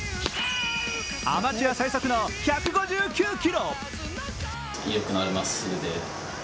アマチュア最速の１５９キロ。